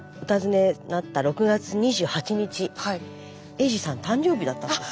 英治さん誕生日だったんです。